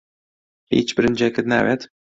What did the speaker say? هیچ برنجێکت ناوێت؟